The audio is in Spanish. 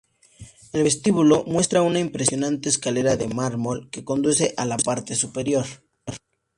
El vestíbulo muestra una impresionante escalera de mármol que conduce a la parte superior.